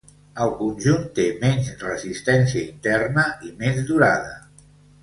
El conjunt té menys resistència interna i més durada.